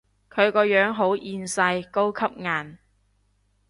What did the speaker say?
佢個樣好厭世，高級顏